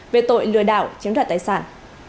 về tội lừa đảo chiếm đoạn tài sản